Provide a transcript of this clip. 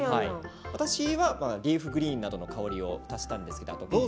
私はリーフグリーンなどの香りを足しました。